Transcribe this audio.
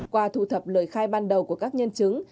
qua thu thập lời khai ban đầu của các nhân chứng